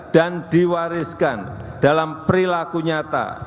dan diwariskan dalam perilaku nyata